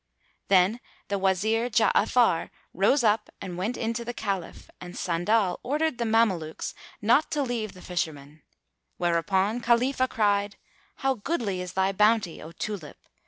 Then the Wazir Ja'afar rose up and went in to the Caliph, and Sandal ordered the Mamelukes not to leave the Fisherman; whereupon Khalifah cried, "How goodly is thy bounty, O Tulip!